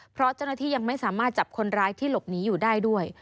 เพราะเจ้าหน้าที่ยังไม่สามารถจับคนร้ายที่หลบหนีอยู่ได้ด้วย